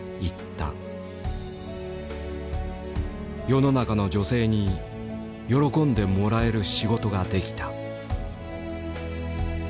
「世の中の女性に喜んでもらえる仕事ができた」。